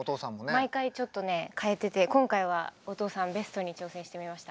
毎回ちょっとね変えてて今回はお父さんベストに挑戦してみました。